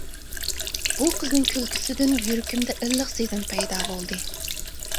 بۇ قىزنىڭ كۈلكىسىدىن يۈرىكىمدە ئىللىق سېزىم پەيدا بولدى.